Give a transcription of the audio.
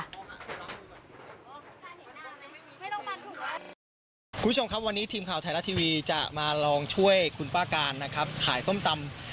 คุณผู้ชมครับวันนี้ทีมข่าวไทยรัฐทีวีจะมาลองช่วยคุณป้าการนะครับขายส้มตำ